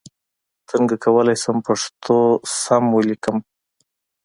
څنګه کولای شم پښتو سم ولیکم ؟